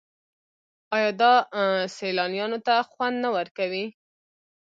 آیا دا سیلانیانو ته خوند نه ورکوي؟